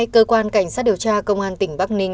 cơ quan cảnh sát điều tra công an tỉnh bắc ninh